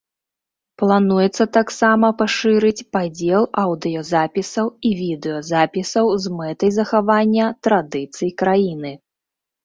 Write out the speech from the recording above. Плануецца таксама пашырыць падзел аўдыёзапісаў і відэазапісаў з мэтай захавання традыцый краіны.